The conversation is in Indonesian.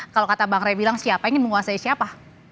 kalau kata bang ray bilang siapa yang ingin menguasai siapa